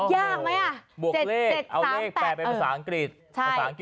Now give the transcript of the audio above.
ยากไหมอะ